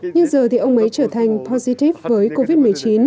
nhưng giờ thì ông ấy trở thành pajitrif với covid một mươi chín